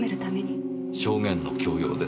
証言の強要ですか。